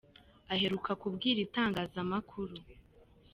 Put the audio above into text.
aheruka kubwira itangazamakuru.